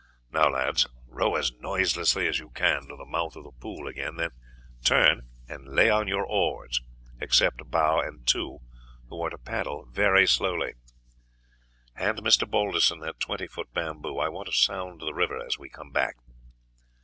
"Now, lads, row as noiselessly as you can to the mouth of the pool again, then turn, and lay on your oars, except bow and two, who are to paddle very slowly. Hand Mr. Balderson that twenty foot bamboo; I want to sound the river as we come back."